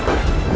aku akan menang